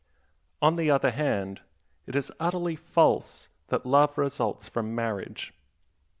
On the other hand, it is utterly false that love results from marriage.